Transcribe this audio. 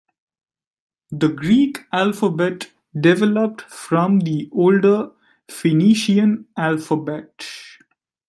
The Greek alphabet developed from the older Phoenician alphabet.